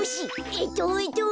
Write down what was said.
えっとえっと。